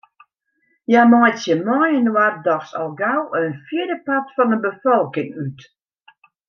Hja meitsje mei-inoar dochs al gau in fjirdepart fan 'e befolking út.